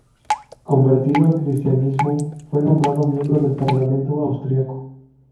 Convertido al cristianismo, fue nombrado miembro del parlamento austriaco.